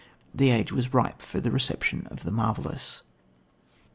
The age was ripe for the reception of the marvellous.